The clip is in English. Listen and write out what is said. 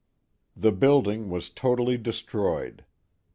The building was totally destroyed.